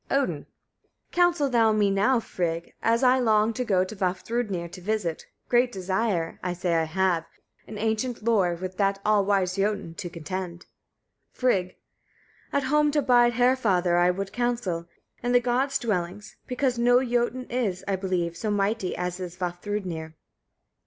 Odin. 1. Counsel thou me now, Frigg! as I long to go Vafthrûdnir to visit; great desire, I say, I have, in ancient lore with that all wise Jötun to contend. Frigg. 2. At home to bide Hærfather I would counsel, in the gods' dwellings; because no Jötun is, I believe, so mighty as is Vafthrûdnir.